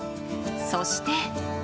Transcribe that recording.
そして。